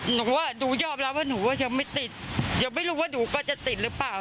หนูว่าหนูยอมรับว่าหนูก็ยังไม่ติดยังไม่รู้ว่าหนูก็จะติดหรือเปล่า